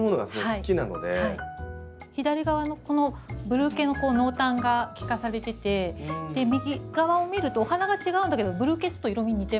左側のこのブルー系の濃淡が利かされてて右側を見るとお花が違うんだけどブルー系ちょっと色み似てますもんね。